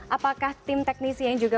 apakah tim teknisi yang juga